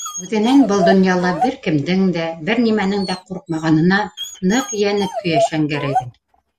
Үҙенән был донъяла бер кемдең дә, бер нимәнең дә ҡурҡмағанына ныҡ йәне көйә Шәңгәрәйҙең.